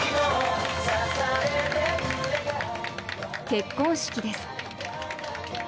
結婚式です。